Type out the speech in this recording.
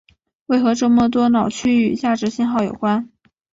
为何这么多脑区与价值信号有关。